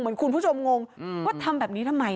คุณผู้ชมงงว่าทำแบบนี้ทำไม